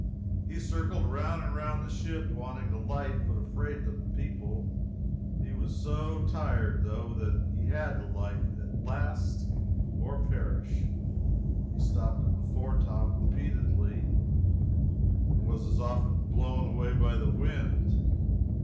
He circled round and round the ship, wanting to light, but afraid of the people. He was so tired, though, that he had to light, at last, or perish. He stopped in the foretop, repeatedly, and was as often blown away by the wind.